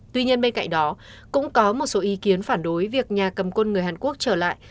tuy nhiên bên cạnh đó cũng có một số ý kiến phản đối việc nhà cầm quân người hàn quốc trở lại